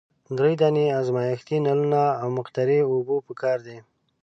دری دانې ازمیښتي نلونه او مقطرې اوبه پکار دي.